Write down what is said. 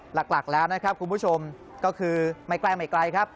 หลักแล้วนะครับคุณผู้ชมก็คือไม่ใกล้ไม่ไกลครับ